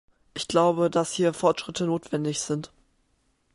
Ich glaube, dass hier Fortschritte notwendig sind.